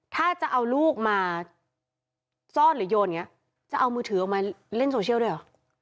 ถ้าจะเอาลูกมาซ่อนหรือโยนอย่างนี้จะเอามือถือออกมาเล่นโซเชียลด้วยเหรอ